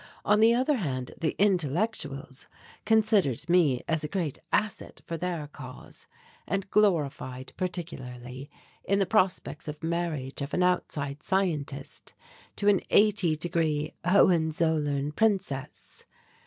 On the other hand, the "intellectuals" considered me as a great asset for their cause and glorified particularly in the prospects of marriage of an outside scientist to an eighty degree Hohenzollern princess.